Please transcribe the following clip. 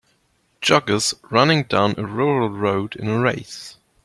Joggers running down a rural road in a race